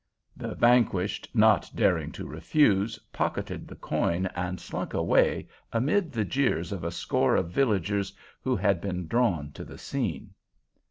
The vanquished, not daring to refuse, pocketed the coin, and slunk away amid the jeers of a score of villagers who had been drawn to the scene.